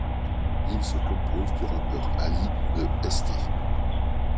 Il se compose du rappeur Ali de St.